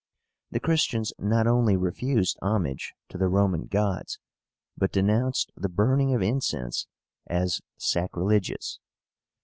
The Christians not only refused homage to the Roman gods, but denounced the burning of incense as sacrilegious.